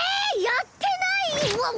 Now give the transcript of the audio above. やってない⁉うわっ！